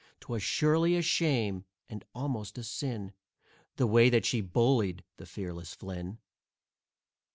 'Twas surely a shame, and almost a sin, The way that she bullied the fearless Flynn.